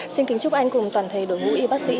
xin kính chúc anh cùng toàn thể đội ngũ y bác sĩ